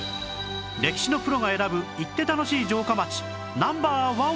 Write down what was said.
歴史のプロが選ぶ行って楽しい城下町ナンバー１は？